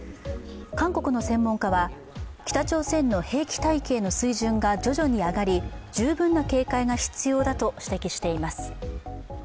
韓国の専門家は北朝鮮の兵器体系の水準が徐々に上がり十分な警戒が必要だと指摘しています。